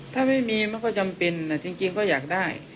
ถ้าไม่มีมันก็จำเป็นจริงก็อยากได้